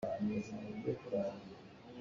Tung na ngelh tikah i ralring!